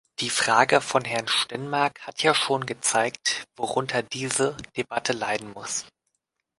Die Frage von Herrn Stenmarck hat ja schon gezeigt, worunter diese Debatte leiden muss.